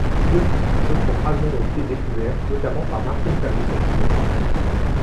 Depuis, d'autres fragments ont été découverts, notamment par Martin Ferguson Smith.